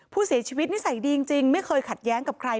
ผู้เสียชีวิตนิสัยดีจริงไม่เคยขัดแย้งกับใคร